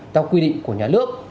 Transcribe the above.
theo quy định của nhà nước